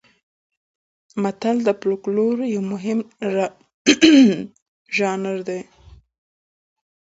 متل د فولکلور یو مهم ژانر دی